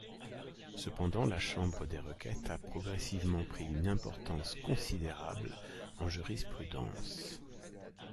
Cependant, la chambre des requêtes a progressivement pris une importance considérable en jurisprudence.